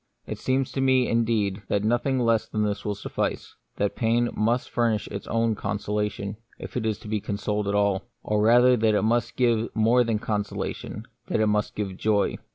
It seems to me, indeed, that nothing less than this will suffice ; that pain must furnish its own consolation, if it is to be consoled at all ; or rather that it must give more than consolation — that it must give joy.